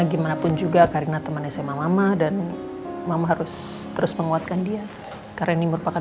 gimana pun juga karena teman sma lama dan mama harus terus menguatkan dia karena ini merupakan